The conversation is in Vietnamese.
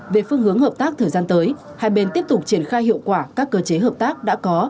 về phương hướng hợp tác thời gian tới hai bên tiếp tục triển khai hiệu quả các cơ chế hợp tác đã có